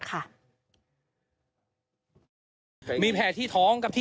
ถ้าพี่ไหวอย่านั่งได้